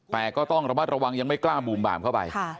แต่ก็ต้องระมัดระวังยังไม่กล้าบูมบามเข้าไป